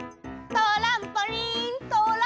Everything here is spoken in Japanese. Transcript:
トランポリン！